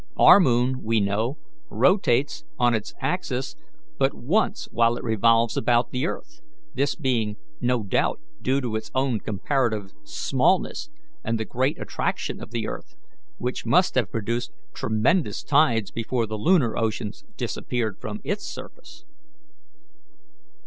Our moon, we know, rotates on its axis but once while it revolves about the earth, this being no doubt due to its own comparative smallness and the great attraction of the earth, which must have produced tremendous tides before the lunar oceans disappeared from its surface."